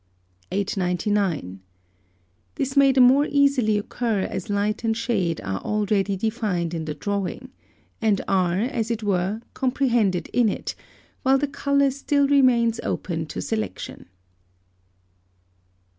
899. This may the more easily occur as light and shade are already defined in the drawing, and are, as it were, comprehended in it, while the colour still remains open to selection.